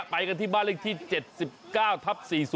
ไปกันที่บ้านเรียกที่